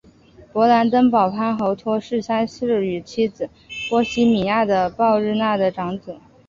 勃兰登堡藩侯奥托三世与妻子波希米亚的鲍日娜的长子。